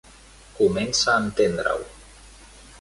Comença a entendre-ho.